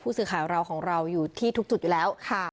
สื่อข่าวเราของเราอยู่ที่ทุกจุดอยู่แล้วค่ะ